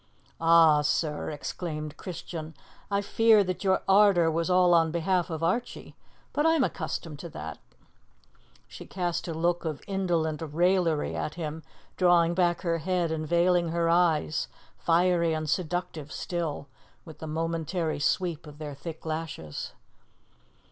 "Ah, sir," exclaimed Christian, "I fear that your ardour was all on behalf of Archie! But I am accustomed to that." She cast a look of indolent raillery at him, drawing back her head and veiling her eyes, fiery and seductive still, with the momentary sweep of their thick lashes.